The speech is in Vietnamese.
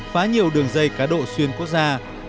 phá nhiều đường dây cá độ xuyên quốc gia